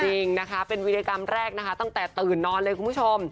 จริงนะคะเป็นวิธีกรรมแรกนะคะตั้งแต่ตื่นนอนเลยคุณผู้ชม